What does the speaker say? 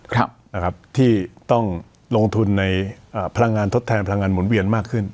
ครับนะครับที่ต้องลงทุนในอ่าพลังงานทดแทนพลังงานหมุนเวียนมากขึ้น